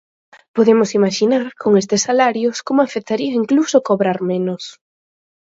Podemos imaxinar, con estes salarios, como afectaría incluso cobrar menos.